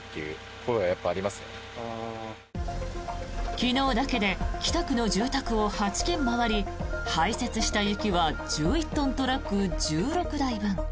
昨日だけで北区の住宅を８軒回り排雪した雪は１１トントラック１６台分。